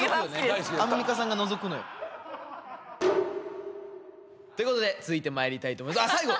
アンミカさんがのぞくのよ。ということで続いて参りたいと思います。